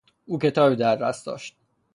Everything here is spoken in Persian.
او کتابی در دست داشت.